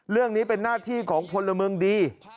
เรื่องนี้เป็นหน้าที่ของพลเมืองดี